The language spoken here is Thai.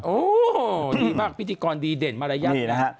โอ้ดีมากพิธีกรดีเด่นมรยัตร